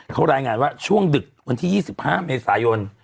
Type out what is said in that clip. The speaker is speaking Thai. เขารายงานว่าช่วงดึกวันที่๒๕เมษายน